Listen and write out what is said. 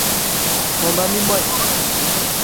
Homa mi moch